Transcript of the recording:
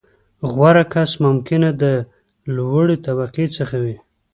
• غوره کس ممکنه ده، له لوړې طبقې څخه وي.